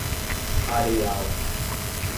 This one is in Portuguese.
Areial